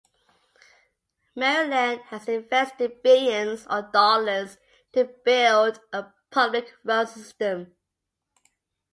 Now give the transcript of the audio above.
Maryland has invested billions or dollars to build a public road system.